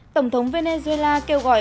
tổng thống venezuela kêu gọi